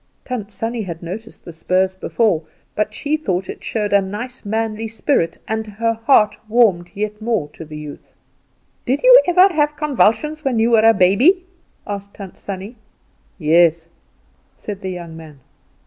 Tant Sannie had noticed the spurs before; but she thought it showed a nice manly spirit, and her heart warmed yet more to the youth. "Did you ever have convulsions when you were a baby?" asked Tant Sannie. "Yes," said the young man.